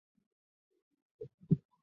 他也代表冰岛国家足球队参赛。